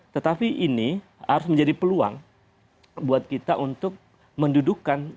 tetapi ini harus menjadi peluang buat kita untuk mendudukan